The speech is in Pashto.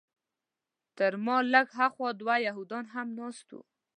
تر ما لږ هاخوا دوه یهودان هم ناست وو.